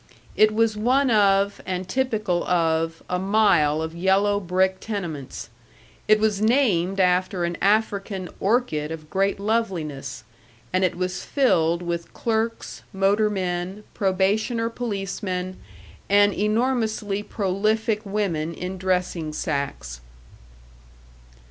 It was one of, and typical of, a mile of yellow brick tenements; it was named after an African orchid of great loveliness, and it was filled with clerks, motormen, probationer policemen, and enormously prolific women in dressing sacques.